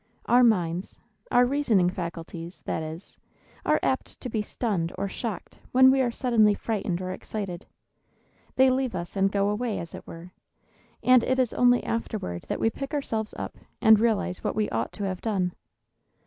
Our minds our reasoning faculties, that is are apt to be stunned or shocked when we are suddenly frightened or excited; they leave us, and go away, as it were, and it is only afterward that we pick ourselves up, and realize what we ought to have done.